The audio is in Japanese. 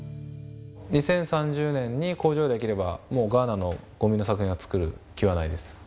２０３０年に工場が出来れば、もうガーナのごみの作品は、作る気はないです。